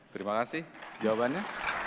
terima kasih jawabannya